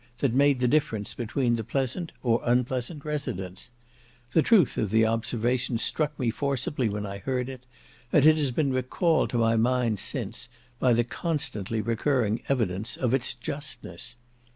that made the difference between the pleasant or unpleasant residence. The truth of the observation struck me forcibly when I heard it; and it has been recalled to my mind since, by the constantly recurring evidence of its justness.